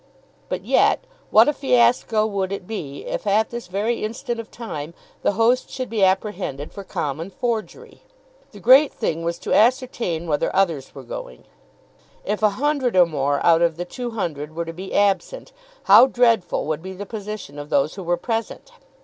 But yet, what a fiasco would it be, if at this very instant of time the host should be apprehended for common forgery! The great thing was to ascertain whether others were going. If a hundred or more out of the two hundred were to be absent how dreadful would be the position of those who were present!